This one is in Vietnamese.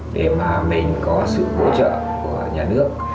để mà mình có sự hỗ trợ của nhà nước